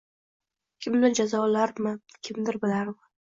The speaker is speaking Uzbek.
Kimdir jazolarmi, kimdir bilarmi?